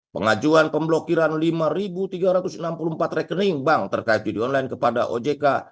pengajuan pemblokiran lima tiga ratus enam puluh empat rekening bank terkait judi online kepada ojk